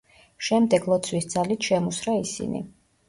შემდეგ ლოცვის ძალით შემუსრა ისინი.